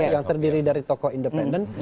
yang terdiri dari tokoh independen